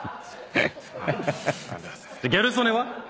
ギャル曽根は？